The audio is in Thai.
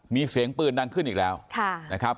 มีเสียงปืนดังขึ้นอีกแล้วนะครับ